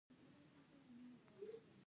ازادي راډیو د اقتصاد بدلونونه څارلي.